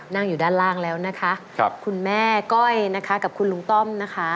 นั่งอยู่ด้านล่างแล้วนะคะคุณแม่ก้อยนะคะกับคุณลุงต้อมนะคะ